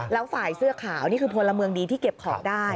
แล้วฝ่ายเสื้อขาวนี่คือพลเมืองดีที่เก็บของได้